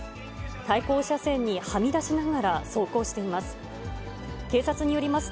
対向車線にはみ出しながら走行しています。